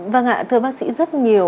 vâng ạ thưa bác sĩ rất nhiều